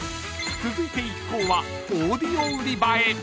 ［続いて一行はオーディオ売り場へ］